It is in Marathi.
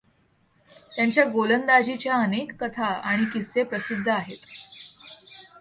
त्यांच्या गोलंदाजीच्या अनेक कथा आणि किस्से प्रसिद्ध आहेत.